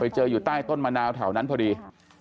เจออยู่ใต้ต้นมะนาวแถวนั้นพอดี